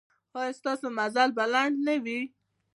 ایا ستاسو مزل به لنډ نه وي؟